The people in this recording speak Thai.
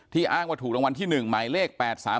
อ้างว่าถูกรางวัลที่๑หมายเลข๘๓